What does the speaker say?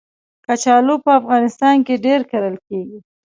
کچالو په افغانستان کې ډېر کرل کېږي